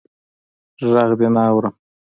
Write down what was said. ږغ دي نه اورم.